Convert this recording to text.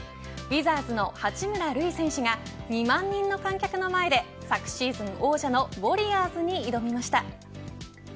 ウィザーズの八村塁選手が２万人の観客の前で昨シーズン王者のウォリアーズに挑みました。